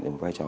được vai trò